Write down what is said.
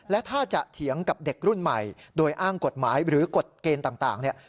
และถ้าจะเถียงกับเด็กรุ่นใหม่โดยอ้างกฎหมายหรือกฎเกณฑ์ต่างเนี่ย